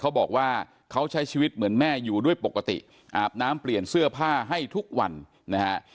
เขาบอกว่าเขาใช้ชีวิตเหมือนแม่อยู่ด้วยปกติอาบน้ำเปลี่ยนเสื้อผ้าให้ทุกวันนะฮะ